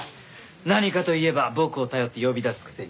何かといえば僕を頼って呼び出すくせに。